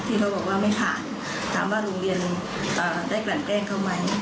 เขาบอกว่าไม่ผ่านถามว่าโรงเรียนได้กลั่นแกล้งเขาไหม